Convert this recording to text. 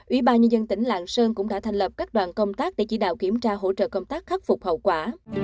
ủy ban nhân dân tỉnh lạng sơn cũng đã thành lập các đoàn công tác để chỉ đạo kiểm tra hỗ trợ công tác khắc phục hậu quả